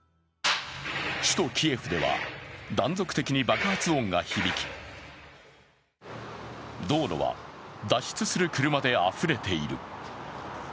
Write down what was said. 首都キエフでは断続的に爆発音が響き道路は脱出する車であふれている。